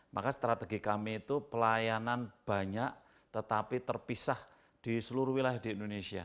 maka strategi kami itu pelayanan banyak tetapi terpisah di seluruh wilayah di indonesia